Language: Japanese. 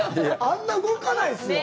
あんな動かないですよ。